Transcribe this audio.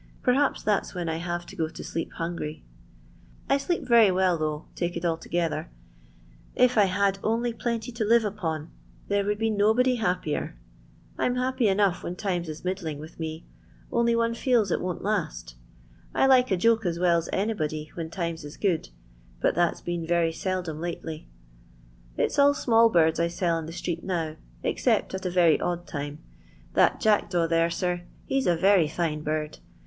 Perhaps that's when I have to go to sleep hungry. I sleep very well, though, take it altogether. If I had only plenty to live upon there woold be LONDON LABOUR AND THE LONDON POOR. 69 7 liappier. I 'm luippj enough when times Idling with me, only one feele it won't iMt a joke M well as anybody when times is but that 's been rery seldom lately, t's all small birds I sell in the street now, t at a Tery odd time. That jackdaw there, } 's a Tery fine bird.